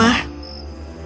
apa jadinya hidupku tanpamu